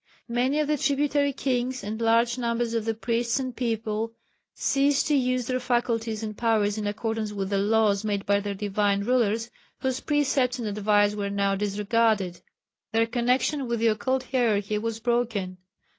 Many of the tributary kings, and large numbers of the priests and people ceased to use their faculties and powers in accordance with the laws made by their Divine rulers, whose precepts and advice were now disregarded. Their connection with the Occult Hierarchy was broken.